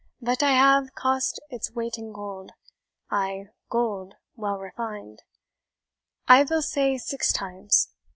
Vat I ave cost its weight in gold ay, gold well refined I vill say six times.